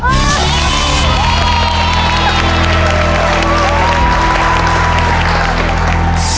เยอะ